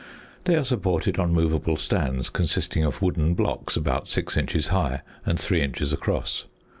They are supported on movable stands, consisting of wooden blocks about six inches high and three inches across.